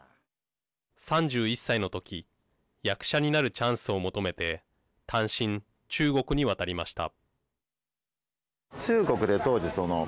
３１歳の時役者になるチャンスを求めて単身、中国に渡りました。